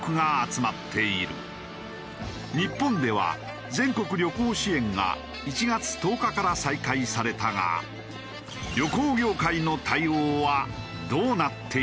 日本では全国旅行支援が１月１０日から再開されたが旅行業界の対応はどうなっているのか？